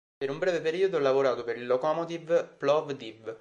Per un breve periodo ha lavorato per il Lokomotiv Plovdiv.